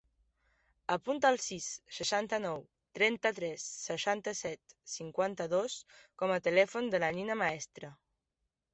Apunta el sis, seixanta-nou, trenta-tres, seixanta-set, cinquanta-dos com a telèfon de la Nina Maestre.